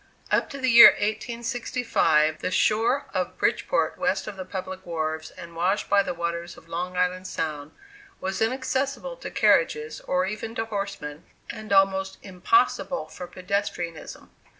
Up to the year 1865, the shore of Bridgeport west of the public wharves, and washed by the waters of Long Island Sound, was inaccessible to carriages, or even to horsemen, and almost impossible for pedestrianism.